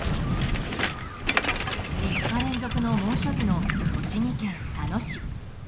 ３日連続の猛暑日の栃木県佐野市。